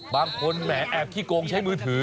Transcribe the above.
แหมแอบขี้โกงใช้มือถือ